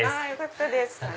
よかったです。